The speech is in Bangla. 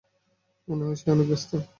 মনে হয় সে অনেক ব্যস্ত।